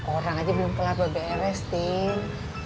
orang aja belum pernah ber brs tim